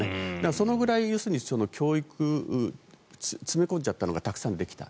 そのくらい教育を詰め込んじゃったのがたくさんできた。